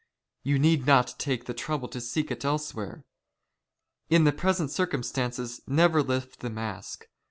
" You need not take the trouble to seek it elsewhere. In the " present circumstances never lift the mask.